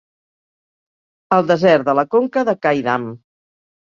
El desert de la conca de Qaidam.